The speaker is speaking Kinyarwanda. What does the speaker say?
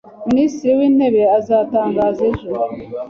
Minisitiri w’intebe azatangaza ejo.